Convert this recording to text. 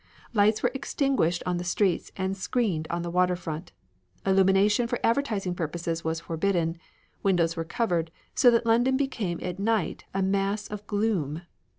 Lights were extinguished on the streets and screened on the water front. Illumination for advertising purposes was forbidden; windows were covered, so that London became at night a mass of gloom.